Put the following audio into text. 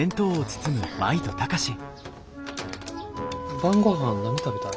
晩ごはん何食べたい？